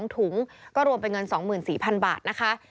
๒ถุงก็รวมเป็นเงิน๒๔๐๐๐บาทนะคะ